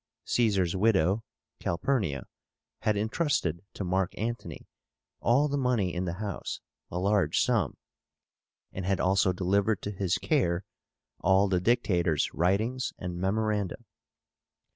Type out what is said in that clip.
Caesar's widow, Calpurnia, had intrusted to Mark Antony all the money in the house, a large sum, and had also delivered to his care all the Dictator's writings and memoranda.